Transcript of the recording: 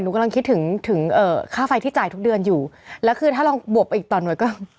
กำลังคิดถึงถึงเอ่อค่าไฟที่จ่ายทุกเดือนอยู่แล้วคือถ้าลองบวกไปอีกต่อหน่วยก็